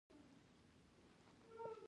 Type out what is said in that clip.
پر یوه ځای مو تیر کړي دي دیرش کاله